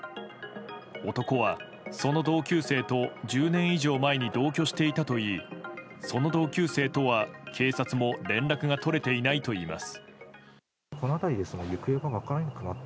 男はその同級生と１０年以上前に同居していたといいその同級生とは警察も連絡が取れていないといいます。